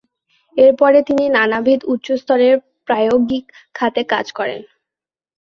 এরপরে তিনি নানাবিধ উচ্চস্তরের প্রায়োগিক খাতে কাজ করেন।